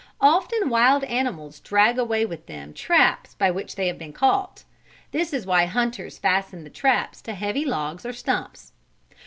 Often wild animals drag away with them traps by which they have been caught. That is why hunters fasten the traps to heavy logs or stumps.